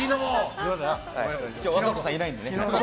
今日和歌子さんいないんで。